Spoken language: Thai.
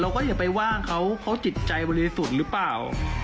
ว่าอย่าไปว่างเขาเขาจิตใจบริสุทธิ์หรือเปล่า